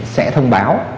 sẽ thông báo